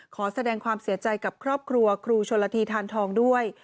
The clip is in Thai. ขอแสดงความเสียใจกับครอบครัวครูชนละทีทานทองด้วย